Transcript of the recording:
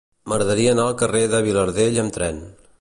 M'agradaria anar al carrer de Vilardell amb tren.